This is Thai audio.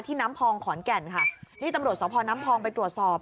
น้ำพองขอนแก่นค่ะนี่ตำรวจสพน้ำพองไปตรวจสอบ